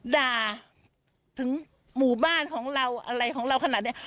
ด่าถึงหมู่บ้านของเราอะไรของเราขนาดนี้